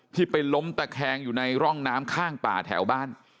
ไปล้มตะแคงอยู่ในร่องน้ำข้างป่าแถวบ้าน